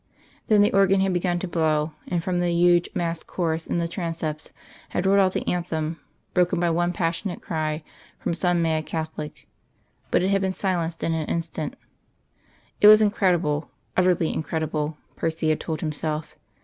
Then the organ had begun to blow, and from the huge massed chorus in the transepts had rolled out the anthem, broken by one passionate cry, from some mad Catholic. But it had been silenced in an instant.... It was incredible utterly incredible, Percy had told himself.